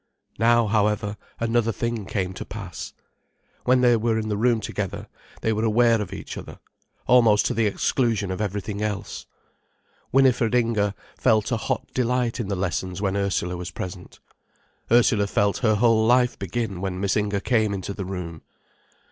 Now, however, another thing came to pass. When they were in the room together, they were aware of each other, almost to the exclusion of everything else. Winifred Inger felt a hot delight in the lessons when Ursula was present, Ursula felt her whole life begin when Miss Inger came into the room.